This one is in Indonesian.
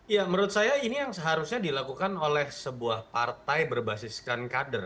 ya menurut saya ini yang seharusnya dilakukan oleh sebuah partai berbasiskan kader